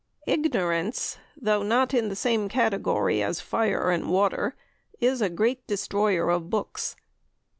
IGNORANCE, though not in the same category as fire and water, is a great destroyer of books.